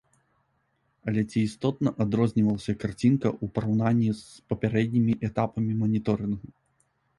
Але ці істотна адрознівалася карцінка, у параўнанні з папярэднімі этапамі маніторынгу?